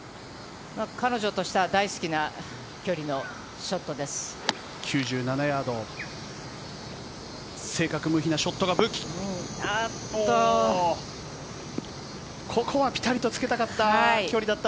彼女としては大好きな距離のショットです。